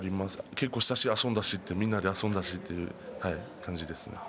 稽古したし、遊んだし、みんなで遊んだしという感じです。